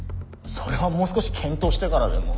それはもう少し検討してからでも。